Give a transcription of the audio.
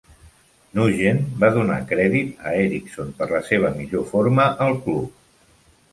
Nugent va donar crèdit a Eriksson per la seva millor forma al club.